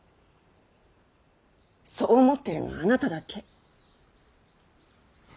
そう思っているのはあなただけ。